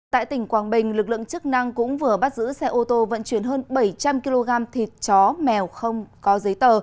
tại tỉnh quảng bình lực lượng chức năng cũng vừa bắt giữ xe ô tô vận chuyển hơn bảy trăm linh kg thịt chó mèo không có giấy tờ